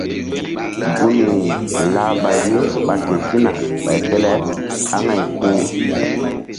Gunri lah ɓay ye ɓa ketina ɓay fe le aŋay ku.